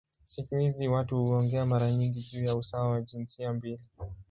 Siku hizi watu huongea mara nyingi juu ya usawa wa jinsia mbili.